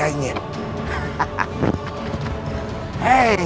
wah dimana buahnya